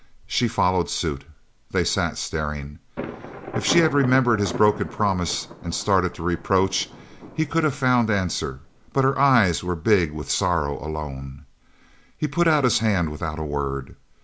She followed suit. They sat staring. If she had remembered his broken promise and started to reproach, he could have found answer, but her eyes were big with sorrow alone. He put out his hand without a word.